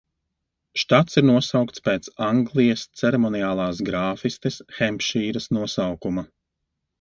Štats ir nosaukts pēc Anglijas ceremoniālās grāfistes Hempšīras nosaukuma.